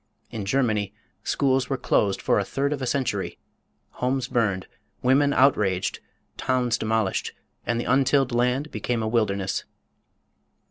In Germany schools were closed for a third of a century, homes burned, women outraged, towns demolished, and the untilled land became a wilderness.